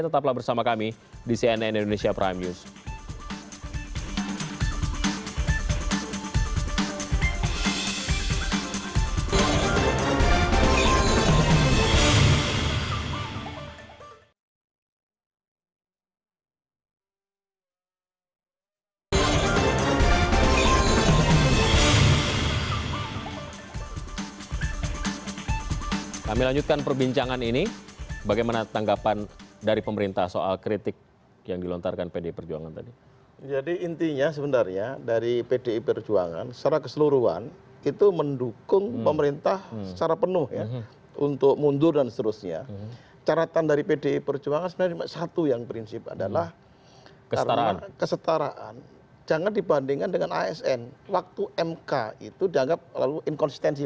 tetaplah bersama kami di cnn indonesia prime news